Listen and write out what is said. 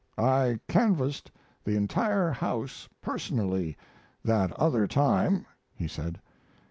"I canvassed the entire House personally that other time," he said.